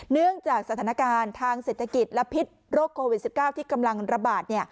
เนื่องจากสถานการณ์ทางเศรษฐกิจและพิษโรคโควิด๑๙ที่กำลังระบาด